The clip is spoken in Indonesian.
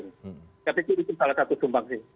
ketika itu salah satu sumbang sih